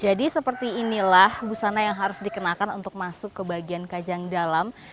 jadi seperti inilah busana yang harus dikenakan untuk masuk ke bagian kajang dalam